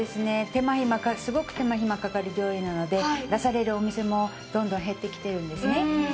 すごく手間暇かかる料理なので出されるお店もどんどん減ってきてるんですね。